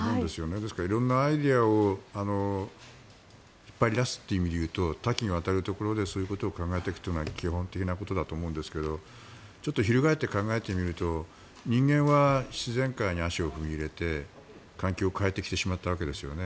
ですから、色んなアイデアを引っ張り出すという意味でいうと多岐にわたるところでそういうことを考えていくのは基本的なことだと思うんですけど翻って考えてみると人間は自然界に足を踏み入れて環境を変えてきてしまったわけですよね。